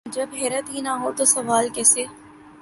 جب حیرت ہی نہ ہو تو سوال کیسے؟